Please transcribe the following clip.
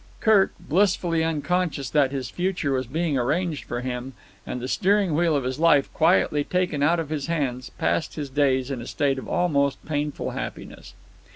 Kirk, blissfully unconscious that his future was being arranged for him and the steering wheel of his life quietly taken out of his hands, passed his days in a state of almost painful happiness.